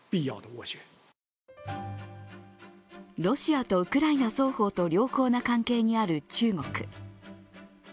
ロシアとウクライナ双方と良好な関係にある中国。